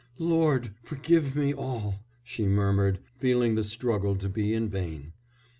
'Lord! forgive me all,' she murmured, feeling the struggle to be in vain.